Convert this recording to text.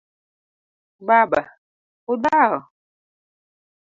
Baba: Udhao?